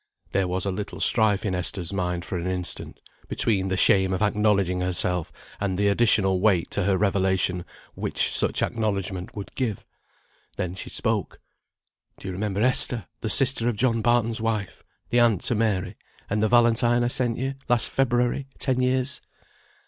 There was a little strife in Esther's mind for an instant, between the shame of acknowledging herself, and the additional weight to her revelation which such acknowledgment would give. Then she spoke. "Do you remember Esther, the sister of John Barton's wife? the aunt to Mary? And the Valentine I sent you last February ten years?"